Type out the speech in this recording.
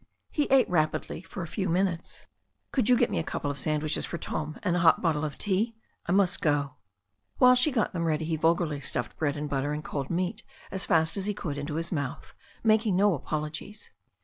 He ate rapidly for a few minutes. "Could you get me a couple of sandwiches for Tom and a hot bottle of tea? I must go." While she got them ready he vulgarly stuffed bread and butter and cold meat as fast as he could into his mouth, making no apologies.